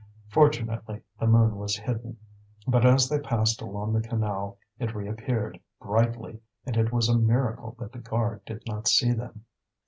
Fortunately the moon was hidden. But as they passed along the canal it reappeared brightly, and it was a miracle that the guard did not see them.